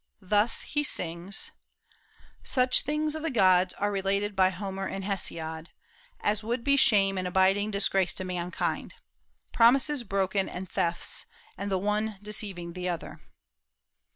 Thus he sings, "Such things of the gods are related by Homer and Hesiod As would be shame and abiding disgrace to mankind, Promises broken, and thefts, and the one deceiving the other."